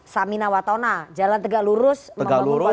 samina watona jalan tegak lurus membangun koalisi perubahan